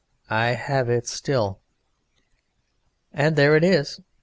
I have it still. And there it is.